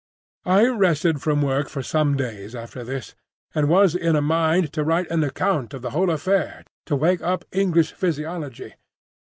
"I rested from work for some days after this, and was in a mind to write an account of the whole affair to wake up English physiology.